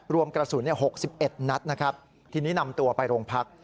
รวมกระสุน๖๑นัทที่นี่นำตัวไปโรงพัก